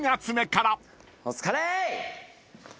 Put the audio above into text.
お疲れ！